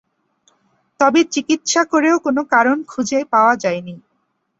তবে, চিকিৎসা করেও কোন কারণ খুঁজে পাওয়া যায়নি।